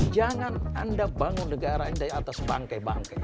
jangan anda bangun negara ini dari atas bangke bangkai